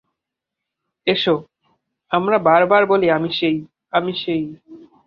S, আমরা বার বার বলি আমি সেই, আমি সেই।